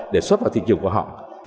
để xuất vào thị trường của họ